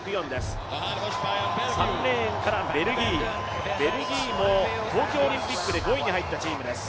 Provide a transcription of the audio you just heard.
３レーンからベルギー、ベルギーも東京オリンピックで５位に入ったチームです。